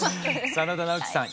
真田ナオキさん